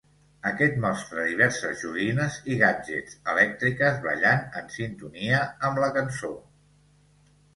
Aquest mostra diverses joguines i gadgets elèctriques ballant en sintonia amb la cançó.